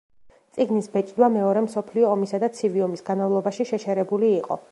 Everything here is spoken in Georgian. წიგნის ბეჭდვა მეორე მსოფლიო ომისა და ცივი ომის განმავლობაში შეჩერებული იყო.